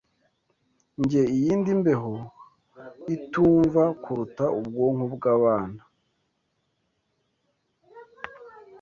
Njye iyindi mbeho itumva kuruta ubwonko bwabana